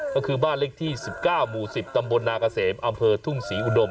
ก็คือบ้านเล็กที่๑๙หมู่๑๐ตำบลนาเกษมอำเภอทุ่งศรีอุดม